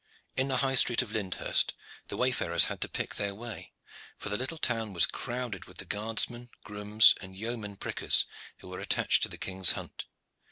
In the High Street of Lyndhurst the wayfarers had to pick their way, for the little town was crowded with the guardsmen, grooms, and yeomen prickers who were attached to the King's hunt.